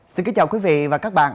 xin kính chào quý vị và các bạn